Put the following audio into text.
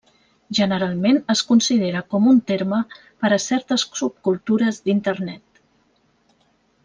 Generalment es considera com un terme per a certes subcultures d'Internet.